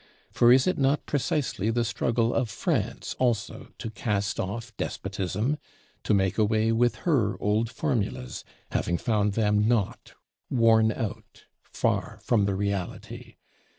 For is it not precisely the struggle of France also to cast off despotism, to make away with her old formulas, having found them naught, worn out, far from the reality?